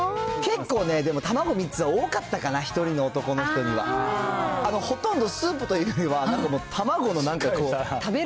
結構ね、でも、卵３つは多かったかな、１人の男の人には。ほとんどスープというよりは、もう、なんかもう卵のなんかこう。